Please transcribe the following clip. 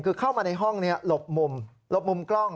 คือเข้ามาในห้องหลบมุมหลบมุมกล้อง